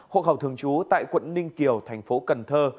hộ khẩu thường trú tại quận ninh kiều thành phố cần thơ